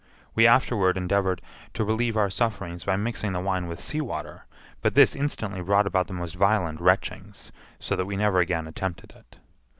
We afterward endeavoured to relieve our sufferings by mixing the wine with seawater; but this instantly brought about the most violent retchings, so that we never again attempted it.